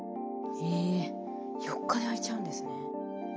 え４日で開いちゃうんですね。